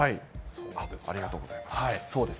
ありがとうございます。